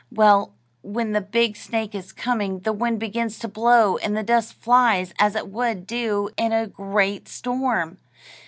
Well, when the big snake is coming, the wind begins to blow and the dust flies as it would do in a great storm.